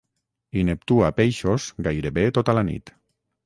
i Neptú a peixos gairebé tota la nit